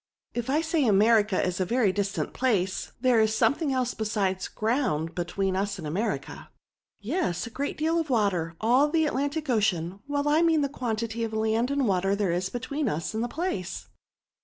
If I say America is a very distant place, there is something else besides ground between us and America." " Yes, a great deal of water ; all the At lantic Ocean ; well, I mean the quantity of land and water there is between us and the place."